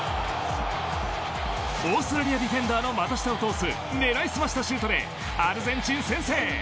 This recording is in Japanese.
オーストラリアディフェンダーの股下を通す狙いすましたシュートでアルゼンチン先制。